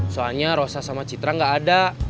soalnya rosa sama citra gak ada